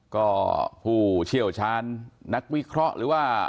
ก็ผู้เชี่ยวชาญนักวิเคราะห์หรือว่า